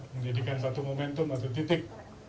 menjadikan satu momentum atau titik